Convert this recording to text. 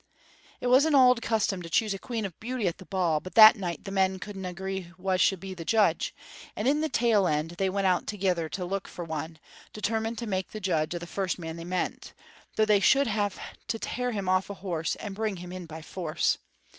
"It was an auld custom to choose a queen of beauty at the ball, but that night the men couldna 'gree wha should be judge, and in the tail end they went out thegither to look for one, determined to mak' judge o' the first man they met, though they should have to tear him off a horse and bring him in by force.